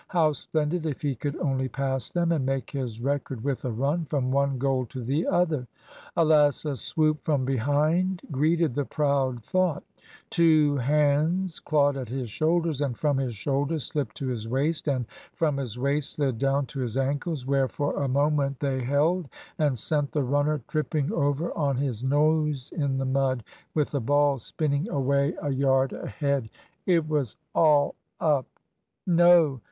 How splendid if he could only pass them, and make his record with a run from one goal to the other! Alas! a swoop from behind greeted the proud thought; two hands clawed at his shoulders, and from his shoulders slipped to his waist, and from his waist slid down to his ankles, where for a moment they held, and sent the runner tripping over on his nose in the mud, with the ball spinning away a yard ahead. It was all up. No!